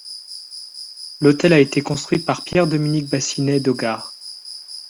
L'hôtel a été construit par Pierre-Dominique Bassinet d'Augard.